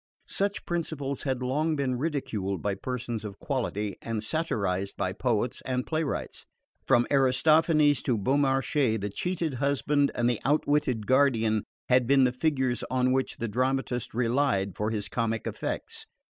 Such principles had long been ridiculed by persons of quality and satirised by poets and playwrights. From Aristophanes to Beaumarchais the cheated husband and the outwitted guardian had been the figures on which the dramatist relied for his comic effects.